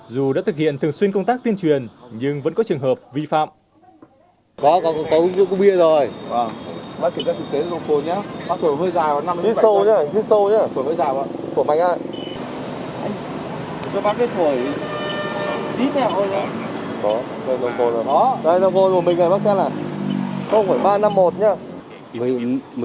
dù đã thực hiện thường xuyên công tác tiên truyền nhưng vẫn có trường hợp vi phạm